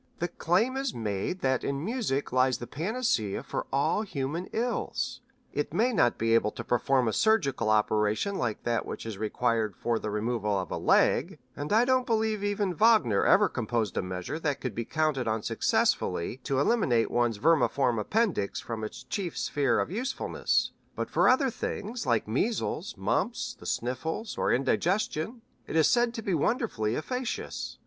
"The claim is made that in music lies the panacea for all human ills. It may not be able to perform a surgical operation like that which is required for the removal of a leg, and I don't believe even Wagner ever composed a measure that could be counted on successfully to eliminate one's vermiform appendix from its chief sphere of usefulness; but for other things, like measles, mumps, the snuffles, or indigestion, it is said to be wonderfully efficacious.